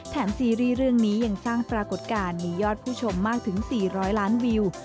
ซีรีส์เรื่องนี้ยังสร้างปรากฏการณ์มียอดผู้ชมมากถึง๔๐๐ล้านวิว